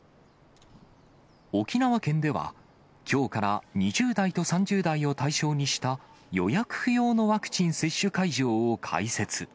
沖縄県では、きょうから２０代と３０代を対象にした予約不要のワクチン接種会